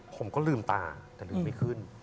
ผมก็ลืมตาแต่ลืมไม่ขึ้น